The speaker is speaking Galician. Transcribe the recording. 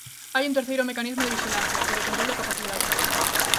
Hai un terceiro mecanismo de vixilancia: o de control de capacidade.